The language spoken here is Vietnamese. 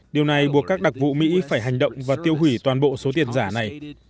điều này buộc các đặc vụ mỹ phải hành động và tiêu hủy toàn bộ số tiền giả này